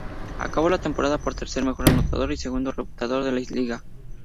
Acabó la temporada como tercer mejor anotador y segundo reboteador de la liga.